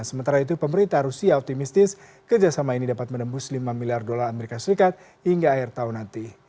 sementara itu pemerintah rusia optimistis kerjasama ini dapat menembus lima miliar dolar as hingga akhir tahun nanti